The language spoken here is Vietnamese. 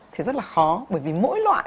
thì rất là khó bởi vì mỗi loại